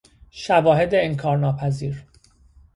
شواهد انکار ناپذیر